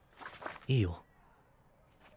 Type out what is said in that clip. いいよ。